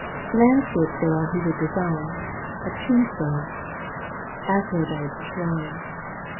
Landscapes thereon he would design, A tombstone. Aphrodite's shrine.